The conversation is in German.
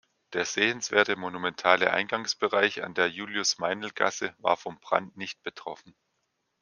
Der sehenswerte, monumentale Eingangsbereich an der Julius-Meinl-Gasse war vom Brand nicht betroffen.